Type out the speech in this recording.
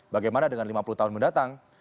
bagaimana dengan lima puluh tahun mendatang